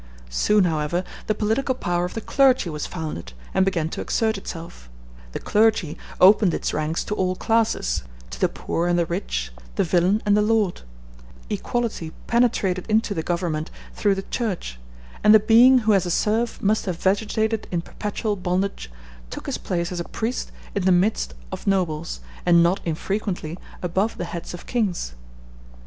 Soon, however, the political power of the clergy was founded, and began to exert itself: the clergy opened its ranks to all classes, to the poor and the rich, the villein and the lord; equality penetrated into the Government through the Church, and the being who as a serf must have vegetated in perpetual bondage took his place as a priest in the midst of nobles, and not infrequently above the heads of kings.